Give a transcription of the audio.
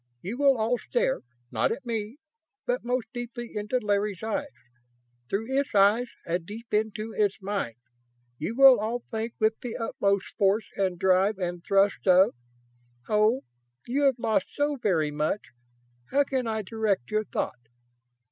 You will all stare, not at me, but most deeply into Larry's eyes. Through its eyes and deep into its mind. You will all think, with the utmost force and drive and thrust, of.... Oh, you have lost so very much! How can I direct your thought?